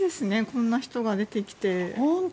こんな人が出てきて。